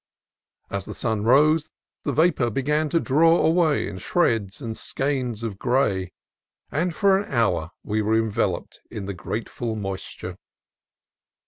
As the sun rose, the vapor began to draw away in shreds and skeins of gray, and for an hour we were enveloped in the grateful moisture.